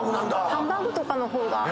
ハンバーグとかの方が。